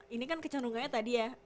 ini kan kecenderungannya tadi ya